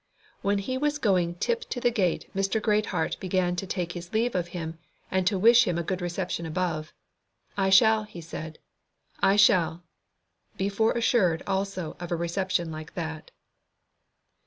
When he was going tip to the gate Mr. Greatheart began to take his leave of him, and to wish him a good reception above. "I shall," he said, "I shall." Be fore assured, also, of a reception like that.